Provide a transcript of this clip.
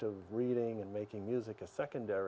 di seluruh dunia dan memberikan seminar